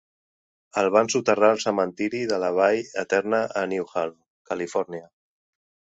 El van soterrar al Cementiri de la vall eterna a Newhall, Califòrnia.